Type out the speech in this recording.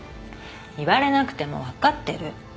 言われなくても分かってる。